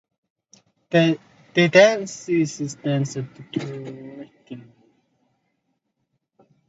The dance is danced to a rhythm.